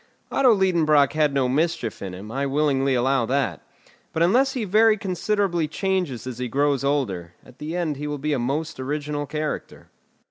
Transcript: Otto Liedenbrock had no mischief in him, I willingly allow that; but unless he very considerably changes as he grows older, at the end he will be a most original character.